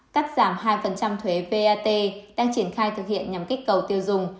cắt giảm hai thuế pat đang triển khai thực hiện nhằm kích cầu tiêu dùng